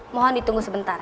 mohon ditunggu sebentar